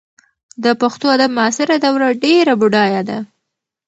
د پښتو ادب معاصره دوره ډېره بډایه ده.